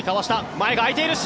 前が空いている。